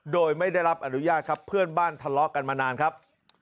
โดยไม่ได้รับอนุญาตครับเพื่อนบ้านทะเลาะกันมานานครับ